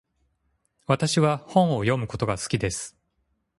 私は本を読むことが好きです。